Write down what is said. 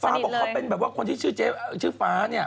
ฟ้าบอกเขาเป็นแบบว่าคนที่ชื่อเจ๊ชื่อฟ้าเนี่ย